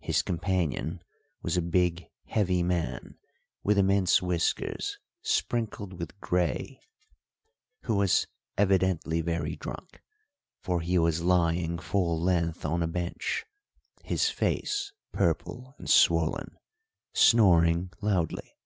His companion was a big, heavy man, with immense whiskers sprinkled with grey, who was evidently very drunk, for he was lying full length on a bench, his face purple and swollen, snoring loudly.